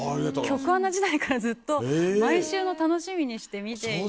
局アナ時代からずっと毎週の楽しみにして見ていて。